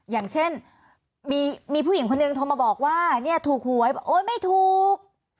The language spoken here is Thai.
อย่างเช่นมีผู้หญิงคนนึงโทรมาบอกว่าเนี่ยถูกหวยบอกโอ๊ยไม่ถูก